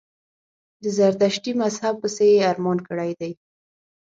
د زردشتي مذهب پسي یې ارمان کړی دی.